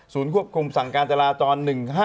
๑๑๙๗ศูนย์ควบคุมสั่งการจราจร